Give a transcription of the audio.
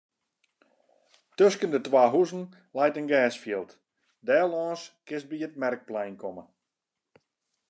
Tusken de twa huzen leit in gersfjild; dêrlâns kinst by it merkplein komme.